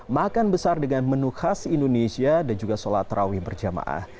makan besar dengan menu khas indonesia dan juga sholat rawih berjamaah